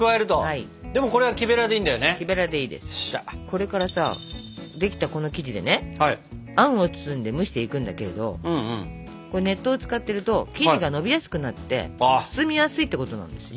これからさできたこの生地でねあんを包んで蒸していくんだけどこれ熱湯を使ってると生地がのびやすくなって包みやすいってことなんです。